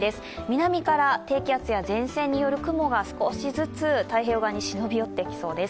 南から低気圧や前線による雲が少しずつ太平洋側に忍び寄ってきそうです。